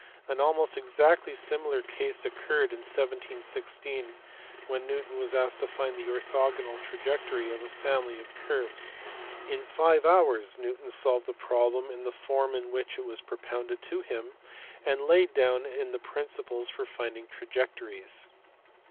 An almost exactly similar case occurred in 1716 when Newton was asked to find the orthogonal trajectory of a family of curves. In five hours Newton solved the problem in the form in which it was propounded to him and laid down the prin ciples for finding trajectories.